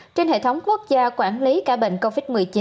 trên hệ thống quốc gia quản lý ca bệnh covid một mươi chín